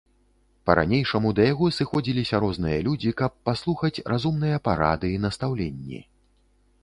Па-ранейшаму да яго сыходзіліся розныя людзі, каб паслухаць разумныя парады і настаўленні.